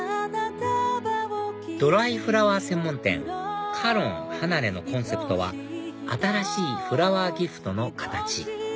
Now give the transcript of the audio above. ドライフラワー専門店ＣａｌｏｎＨＡＮＡＲＥのコンセプトは「新しいフラワーギフトの形」